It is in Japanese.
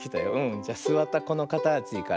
じゃすわったこのかたちから。